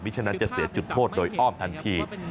ฉะนั้นจะเสียจุดโทษโดยอ้อมทันที